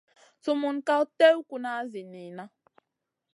Sumun ka tèw kuna zi niyna.